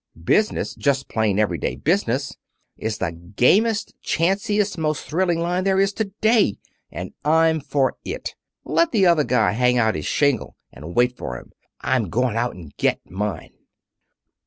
Business just plain everyday business is the gamiest, chanciest, most thrilling line there is to day, and I'm for it. Let the other guy hang out his shingle and wait for 'em. I'm going out and get mine."